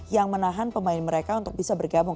yang menahan pemain mereka untuk bisa bergabung